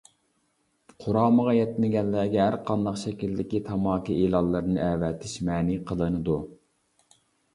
قۇرامىغا يەتمىگەنلەرگە ھەرقانداق شەكىلدىكى تاماكا ئېلانلىرىنى ئەۋەتىش مەنئى قىلىنىدۇ.